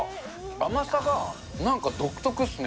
甘さがなんか独特ですね。